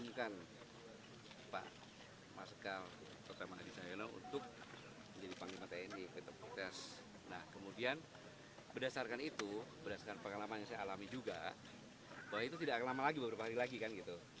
yang sangat berhasil mengembangkan